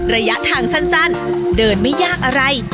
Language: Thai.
ระยะทางสั้นเดินไม่ยากอะไร